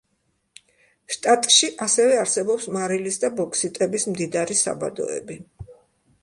შტატში ასევე არსებობს მარილის და ბოქსიტების მდიდარი საბადოები.